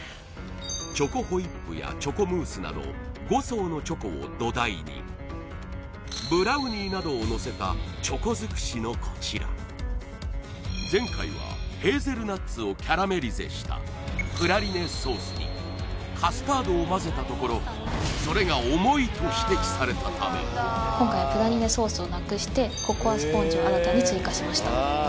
チョコホイップやチョコムースなど５層のチョコを土台にブラウニーなどをのせたチョコ尽くしのこちら前回はヘーゼルナッツをキャラメリゼしたプラリネソースにカスタードを混ぜたところそれが重いと指摘されたため今回はプラリネソースをなくしてココアスポンジを新たに追加しました